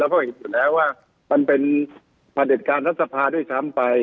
เราก็คิดอยู่แล้วว่ามันเป็นผ่านเด็ดการณ์ทัศนภาคด้วยซ้ำไป